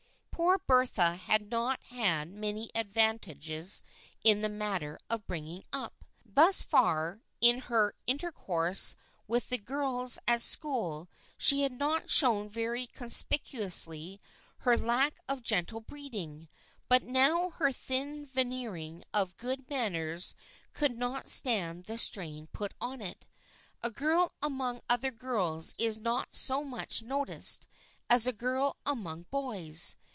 Poor Bertha had not had many advantages in the matter of bringing up. Thus far, in her inter course with the girls at school she had not shown very conspicuously her lack of gentle breeding, but now her thin veneering of good manners could not stand the strain put upon it. A girl among other girls is not so much noticed as a girl among boys.